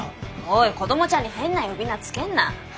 おい子どもちゃんに変な呼び名付けんな。